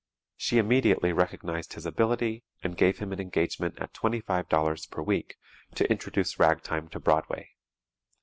She immediately recognized his ability and gave him an engagement at $25.00 per week, to introduce ragtime to Broadway.